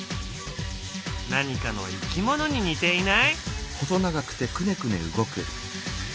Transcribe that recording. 何かのいきものに似ていない？